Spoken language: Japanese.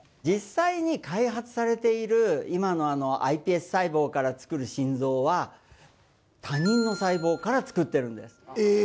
実際に開発されている今のｉＰＳ細胞から作る心臓は他人の細胞から作ってるんですえ